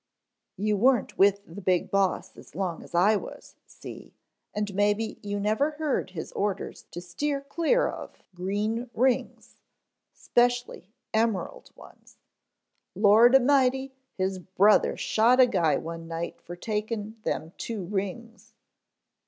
"You weren't with the Big Boss as long as I was, see, and maybe you never heard his orders to steer clear of green rings, 'specially emerald ones. Lord amighty, his brother shot a guy one night fer taking them two rings."